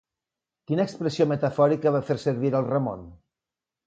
Quina expressió metafòrica va fer servir el Ramon?